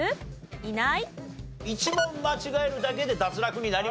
いない。